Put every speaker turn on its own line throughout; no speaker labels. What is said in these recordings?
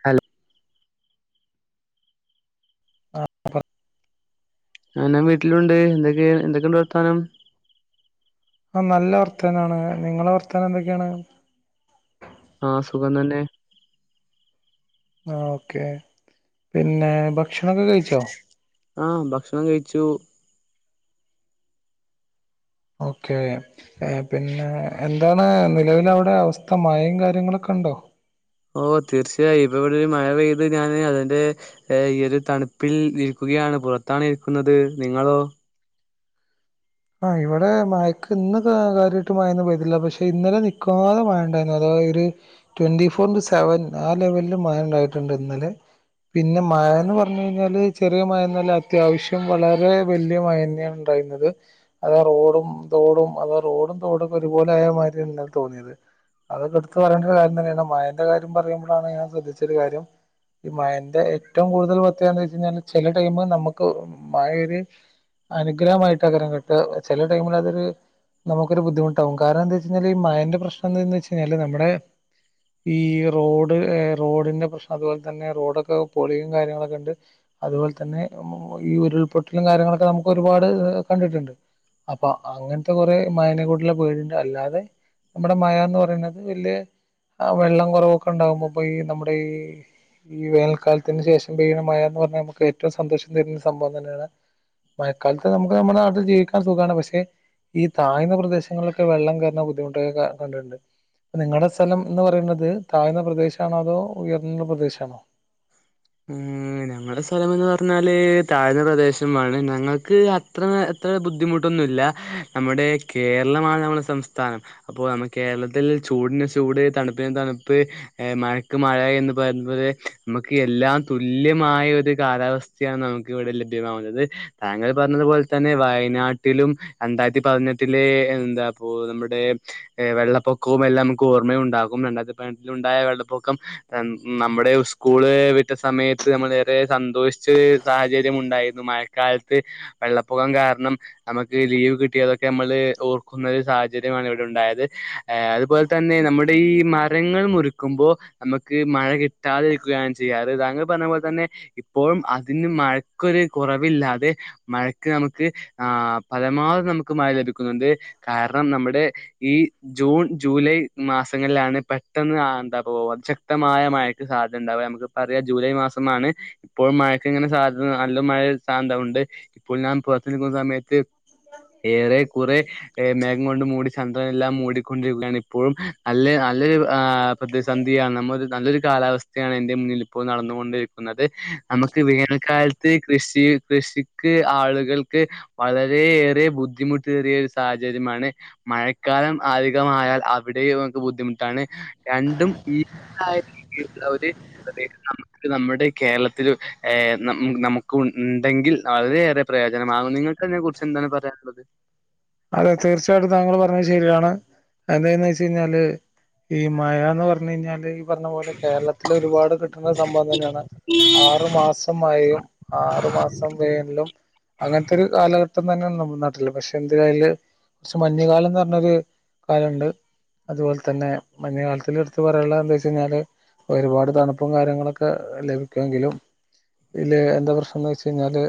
Hello
[inaudible]
ഞാനും വീട്ടിലുണ്ട് എന്തൊക്കെ എന്തൊക്കെണ്ട് വർത്താനം
ആ നല്ല വർത്താനാണ് നിങ്ങളെ വർത്താനെന്തൊക്കെണ്
ആഹ് സുഖം തെന്നെ
ആ ഓക്കെ പിന്നെ ഭക്ഷണൊക്കെ കഴിച്ചോ
ആ ഭക്ഷണം കഴിച്ചു
ഓക്കെ പിന്നെ എന്താണ് നിലവിൽ അവിടെ അവസ്ഥ മഴയും കാര്യങ്ങളൊക്കെ ഒണ്ടോ
ഓ തീർച്ചയായും ഇപ്പ ഇവിടെ ഒരു മഴ പെയ്യുമ്പോ ഞാന് അതിന്റെ ഈ ഒരു തണുപ്പിൽ നിൽക്കു ഫ്രീ ആണ് പൊറത്താണ് ഇരിക്കുന്നത് നിങ്ങളോ
അ ഇവിടെ മയക്ക് ഇന്ന് കാര്യായിട്ട് മയൊന്നും പെയ്തില്ല പക്ഷെ ഇന്നലെ നിക്കാതെ മയണ്ടായ്ന്നു അത ഒരു ട്വന്റി ഫോർ ഇ സെവൻ ആ ലെവലിൽ മയ ണ്ടായിട്ട്ണ്ട് ഇന്നലെ പിന്നെ മയന്ന് പറഞ് കയ്ഞ്ഞാല് ചെറിയ മഴൊന്നല്ല അത്യാവശ്യം വളരെ വെല്യ മഴന്നെ ണ്ട പെയ്യ്ന്നത് അതെ റോഡും തോടും അത റോഡും തോടുംക്കെ ഒരുപോലെ ആയ മാരി ആണ് ന്നലെ തോന്നിയത് അതൊക്കെടുത്ത് പറയേണ്ട ഒരു കാര്യം തന്നെയാണ് മയന്റെ കാര്യം പറയുമ്പളാണ് ഞാൻ ശ്രദ്ധിച്ചൊരു കാര്യം ഈ മയന്റെ ഏറ്റവും കൂടുതൽ പ്രേത്യേകത എന്ന് വെച്ച് കയ്ഞ്ഞാൽ ചെല ടൈമ് നമ്മുക്ക് മഴ ഒര് അനുഗ്രഹമായിട്ട് അങ്ങനങ്ങട്ട് ചെല ടൈമില് അതൊരു നമുക്കൊരു ബുദ്ധിമുട്ടാവും കാരണം എന്താ വെച്ച് കയ്ഞ്ഞാൽ ഈ മയന്റെ പ്രശ്നം ന്ന് ച്ച് കയ്ഞ്ഞാല് നമ്മുടെ ഈ റോഡ് റോഡിന്റെ പ്രശ്നം അതുപോലെ തന്നെ റോഡൊക്കെ പൊളീം കാര്യങ്ങളൊക്കെണ്ട് അതുപോലെ തന്നെ ഈ ഉരുൾപൊട്ടലും കാര്യങ്ങളൊക്കെ നമുക്ക് ഒരുപാട് കണ്ടിട്ട്ണ്ട് അപ്പൊ അങ്ങൻത്തെ കൊറെ മയന [unintelligible] അല്ലാതെ നമ്മടെ മയാന്ന് പറയുന്നത് വല്യേ ആഹ് വെള്ളം കൊറവൊക്കെ ഒണ്ടാകുമ്പോപ്പോയി നമ്മടെ ഈഹ് ഈ വേനൽക്കാലത്തിന് ശേഷം പെയ്യണ മഴ ന്ന് പറഞ്ഞാ നമുക്ക് ഏറ്റോം സന്തോഷം തരുന്ന സംബവം തന്നെയാണ് മയക്കാലത്ത് നമുക്ക് നമ്മുടെ നാട്ടിൽ ജിവിക്കാ ൻ സുഖാണ് പഷേ ഈ താഴ്ന്ന പ്രദേശങ്ങളിലൊക്കെ വെള്ളം കേറുന്ന ബുദ്ധിമുട്ടൊക്കെ കണ്ടണ്ട് നിങ്ങടെ സ്ഥലം ന്ന് പറണ്ത് താഴ്ന്ന പ്രദേശാണോ അതോ ഉയർന്ന പ്രദേശാണോ
ഉം ഞങ്ങടെ സ്ഥലമെന്ന് പറഞ്ഞാല് താഴ്ന്ന പ്രദേശമാണ് ഞങ്ങക്ക് അത്ര ത്ത് ബുദ്ധിമുട്ടൊന്നുവില്ല നമ്മടെ കേരളമാണ് നമ്മടെ സംസ്ഥാനം അപ്പോ നമ്മ കേരളത്തിൽ ചൂടിന് ചൂട് തണുപ്പിന് തണുപ്പ് ഏഹ് മഴക്ക് മഴ എന്ന് പറേമ്പോലെ നമക്ക് എല്ലാം തുല്യമായൊരു കാലാവസ്ഥയാണ് നമുക്ക് ഇവിടെ ലഭ്യമാവുന്നത് താങ്കൾ പറഞ്ഞതു പോലെ തന്നെ വയനാട്ടിലും രണ്ടാത്തി പതിനെട്ടിലെ എന്താ പ്പോ നമ്മുടെ വെള്ളപ്പൊ ക്കോം എല്ലാം നമ്മക്ക് ഓർമ്മയുണ്ടാകും രണ്ടാത്തി പതിനെട്ടിൽ ഉണ്ടായ വെള്ളപ്പൊക്കം നമ്മുടെ ഉസ്കൂള് വി ട്ട സമയത്ത് നമ്മളേറെ സന്തോഷിച്ച സാഹചര്യം മുണ്ടായിരുന്നു മഴക്കാലത്ത് വെള്ളപ്പൊക്കം കാ കാരണം നമക്ക് ലീവ് കിട്ടിയതൊക്കെ നമ്മള് ഓർക്കുന്ന ഒരു സാഹചര്യമാണ് ഇവിടെ ഉണ്ടായത് അതുപോലെതന്നെ നമ്മടെ ഈ മരങ്ങൾ മുറിക്കുമ്പോ നമുക്ക് മഴ കിട്ടാതിരിക്കുകയാ ചെയ്യാറ് [unintelligible] താങ്കൾ പറഞ്ഞ പോലെ തന്നെ ഇപ്പോഴും അതിന് മഴക്കൊരു കൊറവില്ലാതെ മഴക്ക് നമുക്ക് ആഹ്‌ പരമാവധി നമുക്ക് മയ ലഭിക്കുന്നോണ്ട് കാരണം നമ്മുടെ ഈ ജൂൺ ജൂലൈ മാസങ്ങളിലാണ് പെട്ടെന്ന് എന്താ പ്പോ അതിശക്തമായ മഴക്ക് സാധ്യ ണ്ടാവുക ഞമക്ക് പറയാ ജൂലൈ മാസമാണ് ഇപ്പോളും മഴക്കിങ്ങനെ സാധ്യത നല്ല മഴ [unintelligible] ഇപ്പോൾ ഞാൻ [unintelligible] സമയത്ത് ഏറെക്കുറെ ഏഹ് മേഘംകൊണ്ട് മു ചന്ദ്രനെല്ലാം മുടിക്കൊണ്ടിരിക്കുകയാണ് ഇപ്പോഴും നല്ലേ നല്ലൊരു ആഹ്‌ പ്രതിസന്ധിയാണ് നമ്മ നല്ലൊരു കാലാവസ്ഥയാണ് എന്റെ മുന്നിലി പ്പോ നടന്നുകൊണ്ടിരിക്കുന്നത് നമക്ക് വേനക്കാലത്ത് കൃഷി കൃഷിക്ക് ആളുകൾ ക്ക് വളരെയേറെ ബുദ്ധിമുട്ടേറിയ ഒരു സാഹചര്യമാണ് മഴക്കാലം അധികമായ ൽ അവിടേം ഇവർക്ക് ബുദ്ധിമുട്ടാണ് രണ്ടും ഈ [unintelligible] രീതിലുള്ള ഒരു നമുക്ക് നമ്മുടെ കേരളത്തിൽ ഏഹ് നമുക്ക് ഉണ്ടെങ്കിൽ വളരെയേറെ പ്രയോജനമാ [unintelligible] നിങ്ങൾക്ക്തിനെ കുറിച്ച് എന്താണ് പറയാന്ള്ളത്
അതെ തീർച്ചയായിട്ടും താങ്കൾ പറഞ്ഞത് ശരിയാണ് എന്തായെന്ന് വെച്ച് കയ്ഞ്ഞാല് ഈ മഴാന്ന് പറഞ് കയ്ഞ്ഞാല് ഈ പറഞ്ഞ പോലെ കേരളത്തില് ഒരുപാട് കിട്ട്ന്ന സംഭവം തന്നേണ് ആറു മാസം മഴയും ആറു മാസം വേനലും അങ്ങനത്തെ ഒരു കാല ട്ടം തന്നേണ് നമ്മളെ നാട്ടില് പക്ഷെ എന്തലയ്ല് കുറച്ച് മഞ്ഞുകാലംന്ന് പറഞ്ഞൊര് കാലണ്ട് അതുപോലെ തന്നെ മഞ്ഞുകാലത്തിലിട്ത്ത് പറയാള്ളതെന്തോയ്ച്ചയ്ഞ്ഞാല് ഒരുപാട് തണുപ്പും കാര്യങ്ങളൊക്കെ ലഭിക്കുവെങ്കിലും ഇല് എന്താ പ്രശ്നംന്നൊയ്ച്ച് കയ്ഞ്ഞാല്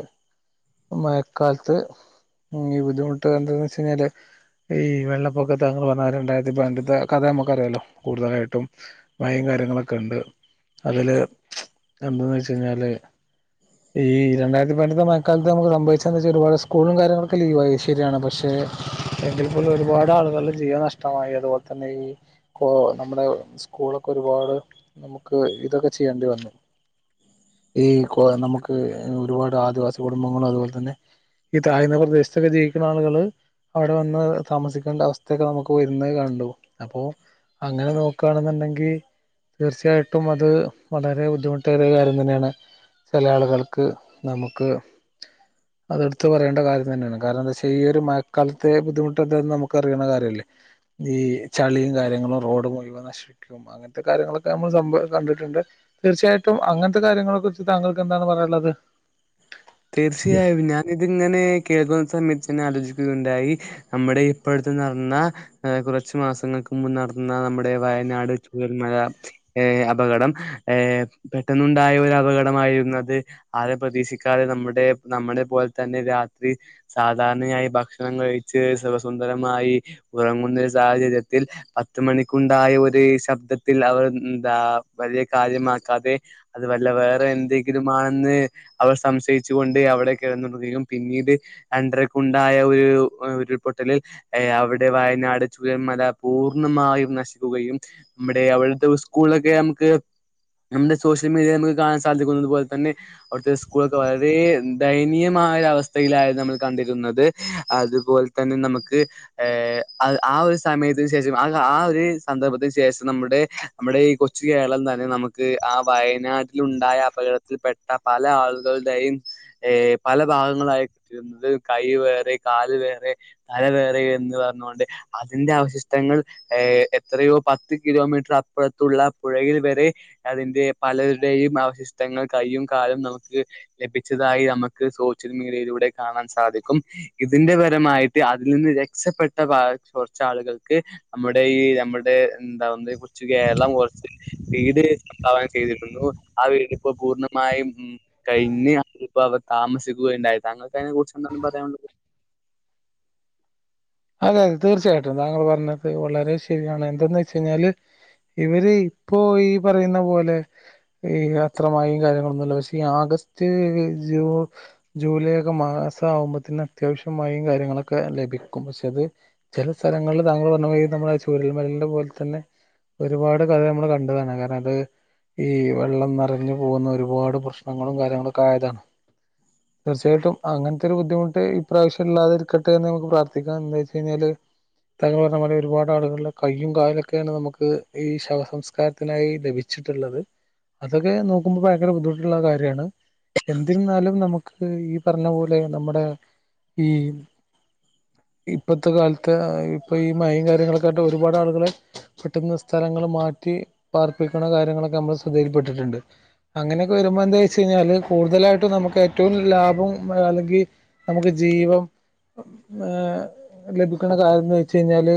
മഴക്കാലത്ത് ഉം ഈ ബുദ്ധിമു ട്ട് എന്തെന്ന് വെച്ച് കയ്ഞ്ഞാല് ഈ വെള്ളപ്പൊക്കം താങ്കള് പറഞ്ഞാ രണ്ടായിരത്തി പതിനെട്ടിത്തെ കഥ നമുക്കറിയാല്ലോ കുരു തായിട്ടും മയീം കാര്യങ്ങളൊക്കെ ഇണ്ട്. അതില് എന്തന്നൊയ്ച്ച് കഴിഞ്ഞാല് ഈ രണ്ടായിരത്തി പതിനെട്ട്ത്തെ മയക്കാലത്ത് നമുക്ക് സംഭവിച്ചതെന്താച്ചാ ഒരുപാട് സ്കൂളും കാര്യങ്ങളൊക്കെ ലീവായി ശരിയാണ് പക്ഷെ എങ്കിൽ പോലും ഒരുപാട് ആളുകളുടെ ജീവൻ നഷ്ടമായി. അതുപോലെ തന്നെ ഈ കോ നമ്മുടെ സ്കൂളൊക്കെ ഒരുപാട് നമുക്ക് ഇതൊക്കെ ചെയ്യേണ്ടി വന്നു. ഈ കോ നമുക്ക് ഒരുപാട് ആദിവാസി കുടുംബങ്ങളും അതുപോലെ തന്നെ ഈ തായ്ന്ന പ്രദേശത്തൊക്കെ ജീവിക്ക്ണ ആളുകള് അവിടെ വന്ന് താമസിക്കേണ്ട അവസ്ഥയൊക്കെ നമുക്ക് വരുന്നത് കണ്ടു. അപ്പോ അങ്ങനെ നോക്കാണെന്ന്ണ്ടെങ്കി തീർച്ചയായിട്ടും അത് വളരെ ബുദ്ധിമുട്ടേറിയ ഒരു കാര്യം തന്നേണ്. ചെല ആളുകൾക്ക് നമുക്ക് അത് ഇട്ത്ത് പറയേണ്ട കാര്യം തന്നേണ്. കാരണം എന്താച്ച് ഈ ഒരു മയക്കാലത്തെ ബുദ്ധിമുട്ടെന്താന്ന് നമുക്ക് അറിയണ കാര്യല്ലേ ഈ ചളീം കാര്യങ്ങളും റോ ഡ് മുഴുവൻ നശിക്കും അങ്ങനത്തെ കാര്യങ്ങളൊക്കെ നമ്മൾ സംഭവം കണ്ടിട്ട്ണ്ട്. തീർച്ചയായിട്ടും അങ്ങനത്തെ കാര്യങ്ങളൊക്കെ വെച്ച് താങ്കൾക്ക് എന്താണ് പറയാള്ളത്?
തീർച്ചയായും ഞാൻ ഇതിങ്ങനെ കേൾക്കുന്ന സമയത്ത് എന്നാലോചിക്കുകയുണ്ടായി. നമ്മുടെ ഇപ്പടുത്ത് നടന്ന കുറച്ചു മാസങ്ങൾക്ക് മുമ്പ് നടന്ന- നമ്മുടെ വയനാട് ചൂരൽമഴ ഏഹ് അപകടം ഏഹ് പെട്ടെന്നുണ്ടായ ഒരു അപകടം- മായിരുന്നത് ആരെ പ്രതീക്ഷിക്ക നമ്മുടെ നമ്മളെ പോലെ തന്നെ രാത്രി സാധാരണയായി ഭക്ഷണം കഴിച്ച് സുഖസുന്ദ രമായി ഉറങ്ങുന്ന ഒരു സാഹചര്യത്തിൽ പത്ത് മണിക്കുണ്ടായ ഒരു ശബ്ദത്തിൽ അവർ- എന്താ വലിയ കാര്യമാക്കാതെ അത് വല്ല വേറെ എന്തെങ്കിലുംമാണെന്ന് അവർ- സംശയിച്ചുകൊണ്ട് അവിടെ കിടന്നപ്പൊത്തേക്കും പിന്നീട് രണ്ട്രക്കുണ്ടായ ഒരു ഏഹ് ഉരുൾപൊട്ടലിൽ- ഏ അവിടെ വയനാട് ചൂരൽമല പൂർണ്ണമായും നശിക്കുകയും നമ്മുടെ അവിടുത്തെ ഉസ് സ്കൂളിലൊക്കെ നമുക്ക് നമ്മുടെ സോഷ്യൽ മീഡിയയിൽ നമുക്ക് കാണാൻ സാധിക്കുന്നതുപോലെ തന്നെ അവിടുത്തെ സ് കൂളൊക്കെ വളരെ ദയനീയമായൊരവസ്ഥയിലായിരുന്നു നമ്മൾ കണ്ടിരുന്നത്. അതുപോലെ തന്നെ ന നമുക്ക് ഏഹ് അഹ് ആ ഒരു സമയത്തിന് ശേഷം അഹ് ആ ഒരു സന്ദർഭത്തിന് ശേഷം നമ്മുടെ - നമ്മുടെ ഈ കൊച്ചു കേരളം തന്നെ നമുക്ക് ആ വയനാട്ടിലുണ്ടായ അപകടത്തിൽപ്പെട്ട പല ആൾ- ൾദയും ഏ പല ഭാഗങ്ങളായിട്ടിരുന്നത് കൈ വേറെ കാല് വേറെ തല വേറെ എന്ന് പറ പറഞ്ഞോണ്ട് അതിന്റെ അവശിഷ്ടങ്ങൾ ഏ എത്രയോ പത്ത് കിലോമീറ്റർ അപ്പുറത്തുള്ള പുഴയി ഇത് വരെ അതിന്റെ പലരുടെയും അവശിഷ്ടങ്ങൾ കയ്യും കാലും നമു ക് ലഭിച്ചതായി നമുക്ക് സോഷ്യൽ മീഡിയയിലൂടെ കാണാൻ സാധിക്കും ഇതിന്റെ പരമായിട്ട് അതിൽ നിന്ന് രക്ഷപ്പെട്ട ഭാഗ കുറച്ചാളുകൾക്ക് നമ്മുടെ ഈ നമ്മുടെ എന്താവുന്നതിനെക്കുറിച്ച് കേരളം കുറച്ച് വീട് ഉണ്ടാവാൻ ചെയ്തിരുന്നു ആ വീടിപ്പോ പൂർണ്ണമായും ഉം കയിഞ്ഞ് അതിലിപ്പൊ അവർ താമസിക്കുകയുണ്ടായി താങ്കൾക്ക് അതിനെ കുറിച്ചെന്താണ് പറയാനുള്ളത്
അതെ അതെ തീർച്ചയായിട്ടും താങ്കൾ പറഞ്ഞതൊക്കെ വളരെ ശരിയാണ് എന്തെന്ന് വെച്ച് കഴിഞ്ഞാല് ഇവര് ഇപ്പോൊ ഈ പറയുന്ന പോലെ ഈ അത്രമയീം കാര്യങ്ങളൊന്നുമില്ല പക്ഷെ ഈ ആഗ സ്റ്റ് ജൂ ജൂലൈ ഒക്കെ മാസാവുമ്പത്തിന് അത്യാവശ്യം മഴേം കാര്യങ്ങളൊക്കെ ലഭി ക്കും പക്ഷെ അത് ചില സ്ഥലങ്ങളില് താങ്കൾ പറഞ്ഞമായി ഈ നമ്മളെ ചുരൽമലെന്റെ പോലെ തന്നെ ഒരുപാട് കഥ നമ്മള് കണ്ടതാണ് കാരണം അത് ഈ വെള്ളം നെറഞ്ഞു പോകുന്ന ഒരുപാട് പ്രശ്നങ്ങളും കാര്യങ്ങളൊക്കെ ആയതാണ് തീർച്ചയായിട്ടും അങ്ങനത്തെ ഒരു ബുദ്ധിമുട്ട് ഇപ്രാവശ്യ ഇല്ലാതിരിക്കട്ടെ എന്ന് നമുക്ക് പ്രാർ തിക്കാം എന്തോയിച്ച് കഴിഞ്ഞാല് താങ്കള് പറഞ്ഞപോലെ ഒരുപാട് ആളുകളുടെ കയ്യും കാലൊക്കേണ് നമുക്ക് ഈ ശവസംസ്കാരത്തിനായി ലഭിച്ച് ട്ടുള്ളത് അതൊക്കെ നോക്കുമ്പോ ഭയങ്കര ബുദ്ധിമുട്ടുള്ള കാര്യമാണ് എന്തിരുന്നാലും നമുക്ക് ഈ പറഞ്ഞ പോലെ നമ്മുടെ ഈ ഇപ്പത്തെ കാലത്ത് ഇപ്പ ഈ മഴയും കാര്യങ്ങളൊക്കെ ആട്ട് ഒരുപാട് ആളുകൾ പെട്ടുന്ന സ്ഥലങ്ങളും മാറ്റി പാർപ്പിക്കണ കാര്യങ്ങളൊക്കെ നമ്മൾ ശ്രദ്ധയിൽപ്പെട്ടിട്ടുണ്ട് അങ്ങനെയൊക്കെ വരുമ്പോ എന്താ വെച്ച് കഴിഞ്ഞാല് കൂടുതലായിട്ടും നമുക്ക് ഏറ്റവും ലാഭം അല്ലെങ്കിൽ നമുക്ക് ജീവം ഏ ലഭിക്കണ കാര്യമെന്ന് വെച്ച് കഴിഞ്ഞാല്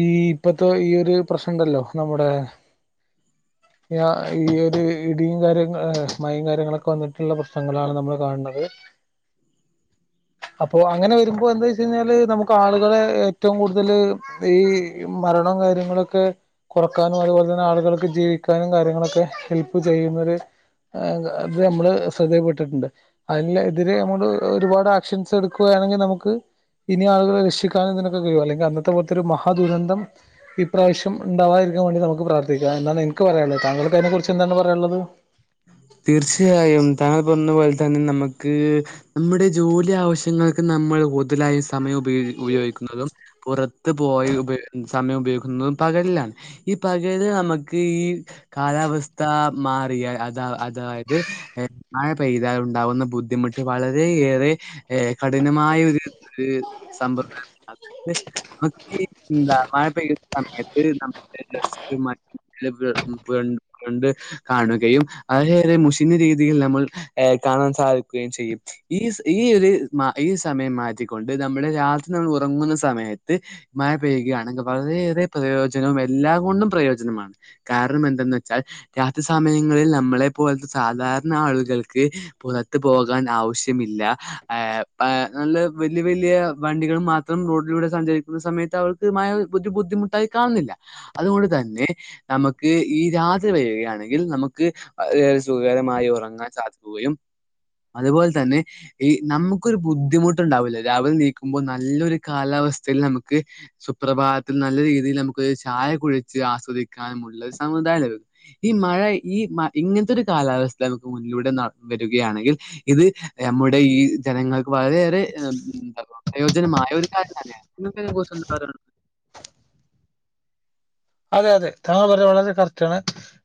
ഈ ഇപ്പത്തെ ഈ ഒരു പ്രശ്നമുണ്ടല്ലോ നമ്മുടെ ഈ ഒരു ഇടിയും കാര്യങ്ങ മഴയും കാര്യങ്ങളൊക്കെ വന്നിട്ടുള്ള പ്രശ്നങ്ങളാണ് നമ്മൾ കാണണത് അ അപ്പൊ അങ്ങനെ വരുമ്പോ എന്താ വെച്ച് കഴിഞ്ഞാല് നമുക്ക് ആളുകളെ ഏറ്റവും കൂടുതൽ ഈ മരന്നോം കാര്യ കാര്യങ്ങളൊക്കെ കുറക്കാനും അതുപോലെ തന്നെ ആളുകൾക്ക് ജീവിക്കാനും കാര്യങ്ങളൊക്കെ ഹെല്പ്പ് ചെയ്യുന്നൊരു അത് നമ്മള് ശ്രദ്ധപ്പെട്ടിട്ടുണ്ട് അതിന് എതിരെ നമ്മള് ഒരുപാട് ആക്ഷൻസ് എടുക്ക ക്കുകയാണെങ്കിൽ നമുക്ക് ഇനി ആളുകളെ രക്ഷിക്കാൻ ഇതിനൊക്കെ കഴിയും അല്ലെങ്കിൽ അന്നത്തെ പോലത്തെ ഒരു മഹാദുരന്തം ഇപ്രാവശ്യം ഉണ്ടാവാതിരിക്ക ക്കാൻ നമുക്ക് പ്രാർത്ഥിക്കാം എന്നാൽ എനിക്ക് പറയാനുള്ളേ താങ്കൾക്ക് അതിനെ കുറിച്ച് എന്താണ് പറയാനുള്ളത്
തീർച്ചയായും താങ്ങൾ പറഞ്ഞ പോലെ തന്നെ നമുക്ക് നമ്മുടെ ജോലി ആവശ്യങ്ങൾക്ക് നമ്മൾ കടുലായി സമയം ഉപയോഗിക്കുന്നതും പുറത്ത് പോയി സമയം ഉപയോഗിക്കുന്നതും പക ഈ പകൽ നമുക്ക് ഈ കാലാവസ്ഥ മാറിയൽ അതായത് മഴ പെയ്താൽ ഉണ്ടാവുന്ന ബുദ്ധിമുട്ട് വളരെയേറെ കടു കഠിനമായ ഒരു സമ്പ്രദായ അതായത് നമുക്ക് ഈ എന്താ മഴ പെയ് സമയത്ത് നമ്മ മറ്റണ്ട് [unintelligible] കാണുകയും അതറെ മുഷിന രീതിയിൽ നമ്മൾ കാണാൻ സാധിക്കുകയും ചെയ്യും ഈ ഈ ഒരു മ ഈ സമയം മാറ്റിക്കൊണ്ട് നമ്മള് രാത്രി നമ്മൾ ഉറങ്ങുന്ന സമയത്ത് മഴ പെയ്യുകയാണെങ്കിൽ വളരെയേറെ പ്രയോജനവും എല്ലാ കൊണ്ടും പ്രയോജനമാണ് കാരണം എന്തെന്ന് വെച്ചാൽ രാത്രി സമയങ്ങളിൽ നമ്മളെ ളെ പോലത്തെ സാധാരണ ആളുകൾക്ക് പുറത്ത് പോകാൻ ആവശ്യമില്ല നല്ല വലിയ വലിയ വണ്ടികളും മാത്രം റോഡിലൂടെ സഞ്ചരിക്കുന്ന സമയത്ത് അവർക്ക് ബുദ്ധിമുട്ട് കാണുന്നില്ല അതുകൊണ്ട് തന്നെ നമുക്ക് ഈ രാത്രി വരികയാണെങ്കിൽ നമുക്ക് ഏറെ സുഖകരമായി ഉറങ്ങാൻ സാധിക്കുകയും അതുപോലെ തന്നെ ഈ നമുക്കൊരു ബുദ്ധിമുട്ടുണ്ടാവില്ല രാവിലെ എണീക്കുമ്പോൾ നല്ലൊരു കാല സ്ഥയിൽ നമുക്ക് സുപ്രഭാതത്തിൽ നല്ല രീതിയിൽ നമുക്ക് ചായ കുടിച്ച് ആസ്വദിക്കാനും ഉള്ള സമുദായ ല ഈ മഴ ഈ മ ഇങ്ങനത്തെ ഒരു കാലാവസ്ഥ നമുക്ക് മുന്നിലൂടെ വരികയാണെങ്കിൽ ഇത് നമ്മുടെ ഈ ജനങ്ങൾ വളരെയേറെ ഉ ജമായ ഒരു കാര്യം തന്നെതിനറന്ത
അതെ അതെ താങ്കൾ പറയാ വളരെ കറക്റ്റണ്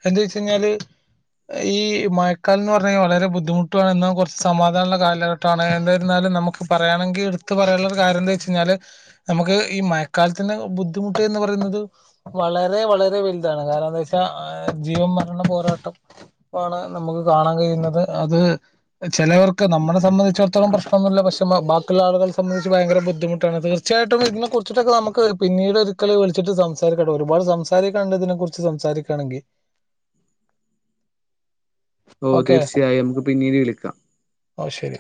എന്ത വെച്ച് കഴിഞ്ഞാല് ഈ മയക്കാല എന്ന് പറഞ്ഞ കഴിഞ്ഞാൽ വളരെ ബുദ്ധിമുട്ടുണ് എന്ന കുറച്ച് സമാധാനമുള്ള കാലഘട്ടമാണ് എന്തായിരുന്നാലും നമുക്ക് പറയാണെങ്കിൽ എടുത്ത് പറയാനുള്ള ഒരു കാര്യം എന്താ വെച്ച് കഴിഞ്ഞാല് നമുക്ക് ഈ മയക്കാലത്തിന്റെ ബുദ്ധിമുട്ട എന്ന് പറയുന്നത് വളരെ വളരെ വലുതാണ് കാരണം എന്താ വെച്ചാൽ ജീവ മരണ പോരാട്ടം ആണ് നമുക്ക് കാണാൻ കഴിയുന്നത് അത് ചിലവർക്ക് നമ്മളെ സംബന്ധിച്ചിടത്തോളം പ്രശ്നമൊന്നുമില്ല പക്ഷെ ബാക്കിയുള്ള ആള സംബന്ധച്ച് ഭയങ്കര ബുദ്ധിമുട്ടാണ് തീർച്ചായിട്ടും ഇതിനെ കുറിച്ചട്ടൊക്കെ നമക്ക് പിന്നീട് ഒരു കി വിളിട്ട് സം സംസാരിക്കട്ടെ ഒരുപാട് സംസാരിക്കണ്ട ഇതിനെ കുറിച്ച് സംസാരിക്കുകയാണെങ്കിൽ
ഓ
ഓക്കെ
തീർച്ചയായും നമുക്ക് പിന്നീട് വിളിക്കാം
ഓ ശരി